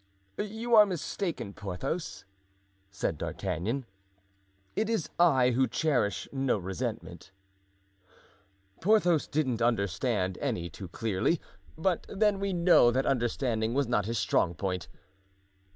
"You are mistaken, Porthos," said D'Artagnan. "It is I who cherish no resentment." Porthos didn't understand any too clearly; but then we know that understanding was not his strong point.